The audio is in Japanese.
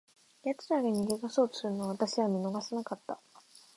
奴らが逃げ出そうとするのを、私は見逃さなかった。